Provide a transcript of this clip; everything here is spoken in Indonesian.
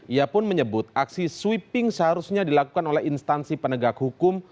ia pun menyebut aksi sweeping seharusnya dilakukan oleh instansi penegak hukum